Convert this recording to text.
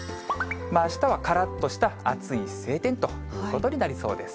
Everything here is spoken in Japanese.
あしたはからっとした暑い晴天ということになりそうです。